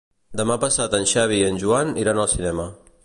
Demà passat en Xavi i en Joan iran al cinema.